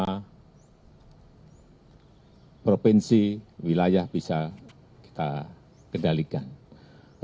jadi kita harus memiliki kesempatan untuk memiliki kesempatan untuk memiliki kesempatan untuk melakukan penyebaran covid sembilan belas